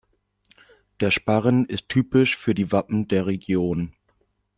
Der Sparren ist typisch für die Wappen der Region.